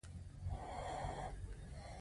ددې لپاره چې د ادارې په کړنو پوه شو.